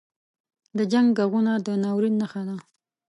• د جنګ ږغونه د ناورین نښه ده.